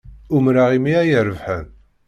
Umreɣ imi ay rebḥen.